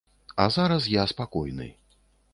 А зараз я спакойны.